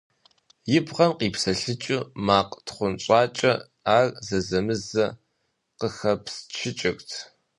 И бгъэм къипсэлъыкӀыу макъ тхъунщӀакӀэ ар зэзэмызэ къыхэпсчыкӀырт.